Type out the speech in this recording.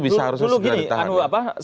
bisa harusnya segera ditahan dulu gini anu apa